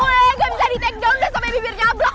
gue ga bisa di take down udah sampe bibir nyabrak